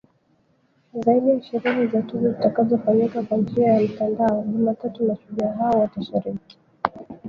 Zaidi ya sherehe za tuzo zitakazo fanyika kwa njia ya mtandao Jumatatu mashujaa hao watashiriki